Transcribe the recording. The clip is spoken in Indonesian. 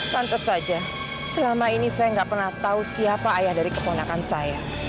pantas saja selama ini saya nggak pernah tahu siapa ayah dari keponakan saya